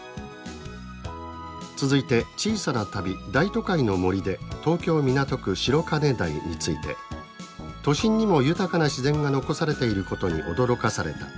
続いて小さな旅「大都会の森で東京港区白金台」について「都心にも豊かな自然が残されていることに驚かされた」